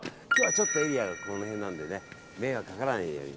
ちょっとエリアがこの辺なので迷惑がかからないように。